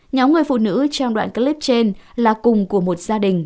nhóm người phụ nữ trang đoạn clip trên là cùng của một gia đình